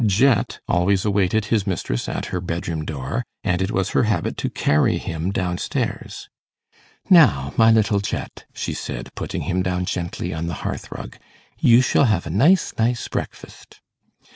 Jet always awaited his mistress at her bedroom door, and it was her habit to carry him down stairs. 'Now, my little Jet,' she said, putting him down gently on the hearth rug, 'you shall have a nice, nice breakfast.